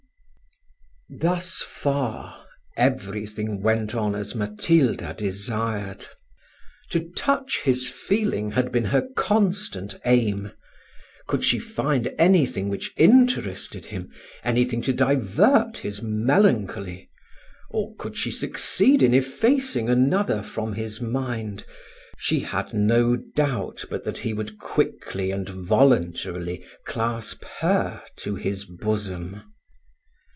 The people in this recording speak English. Thus far every thing went on as Matilda desired. To touch his feeling had been her constant aim: could she find any thing which interested him; any thing to divert his melancholy; or could she succeed in effacing another from his mind, she had no doubt but that he would quickly and voluntarily clasp her to his bosom.